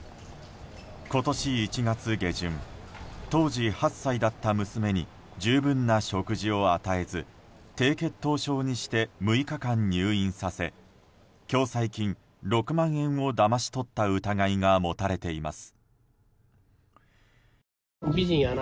今年１月下旬当時８歳だった娘に十分な食事を与えず低血糖症にして６日間入院させ、共済金６万円をだまし取った疑いが持たれています。